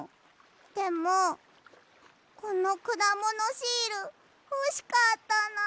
でもこのくだものシールほしかったなあ。